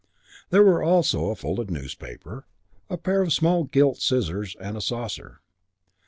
There were also a folded newspaper, a pair of small gilt scissors and a saucer.